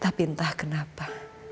tapi entah kenapa